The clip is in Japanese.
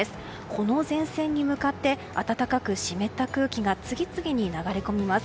この前線に向かって暖かく湿った空気が次々に流れ込みます。